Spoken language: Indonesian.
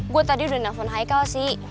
gue tadi udah nelfon haikal sih